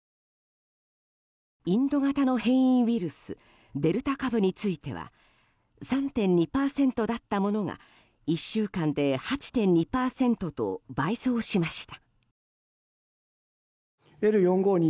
インド型の変異ウイルスデルタ株については３．２％だったものが１週間で８．２％と倍増しました。